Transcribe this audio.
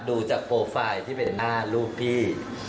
ดูจากโปรไฟล์ที่เป็นหน้ารูปพี่